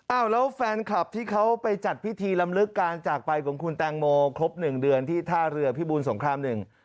แล้วแฟนคลับที่เขาไปจัดพิธีลำลึกการจากไปของคุณแตงโมครบหนึ่งเดือนที่ท่าเรือพิบูรสงครามหนึ่ง